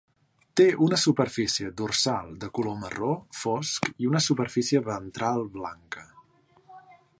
Té una superfície dorsal de color marró fosc i una superfície ventral blanca.